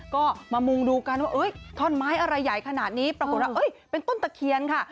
ก็มามุงดูกันว่าท่อนไม้อะไรใหญ่ขนาดนี้ปรากฏว่าเป็นต้นตะเคียนค่ะ